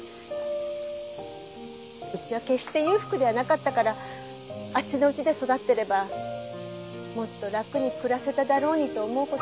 うちは決して裕福ではなかったからあっちの家で育ってればもっと楽に暮らせただろうにと思う事もあって。